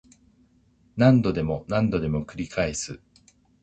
何度でも何度でも繰り返す